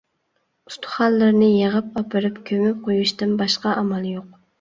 ئۇستىخانلىرىنى يىغىپ ئاپىرىپ كۆمۈپ قويۇشتىن باشقا ئامال يوق.